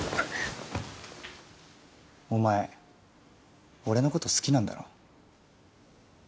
お前俺のこと好きなんだろ。